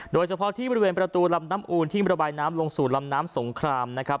โดยเฉพาะที่บริเวณประตูลำน้ำอูนที่ระบายน้ำลงสู่ลำน้ำสงครามนะครับ